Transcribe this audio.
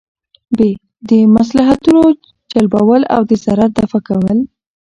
ب : د مصلحتونو جلبول او د ضرر دفعه کول